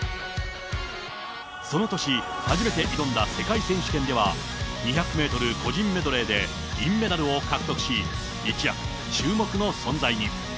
その年、初めて挑んだ世界選手権では、２００メートル個人メドレーで銀メダルを獲得し、一躍、注目の存在に。